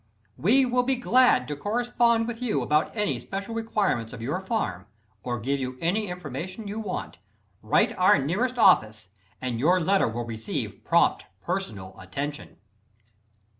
We will be glad to correspond with you about any special requirements of your farm, or give you any information you want. Write our nearest office (see last page) and your letter will receive prompt, personal attention.